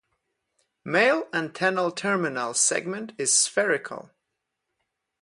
Male antennal terminal segment is spherical.